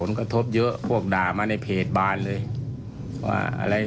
ผมกระทบเยอะพวกด่ามาในเพจบ้านเลย